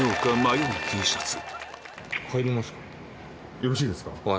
よろしいですか。